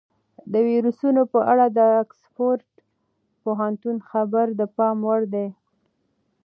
د ویروسونو په اړه د اکسفورډ پوهنتون خبره د پام وړ ده.